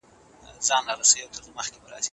استازي تل په مجلس کي حضور لري.